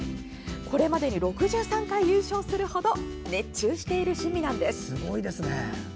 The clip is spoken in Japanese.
これまでに６３回優勝するほど熱中している趣味なんです。